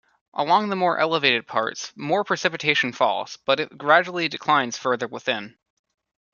Along the more elevated parts, more precipitation falls, but it gradually declines further within.